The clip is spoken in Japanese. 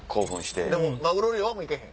でもマグロ漁は行けへん？